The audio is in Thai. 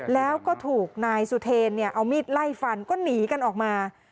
แล้วก็ถูกนายสุเทรนเอามีดไล่ฟันก็หนีกันออกมา